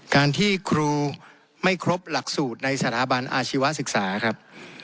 การที่ครูไม่ครบหลักสูตรในสถาบันอาชีวศึกษาครับ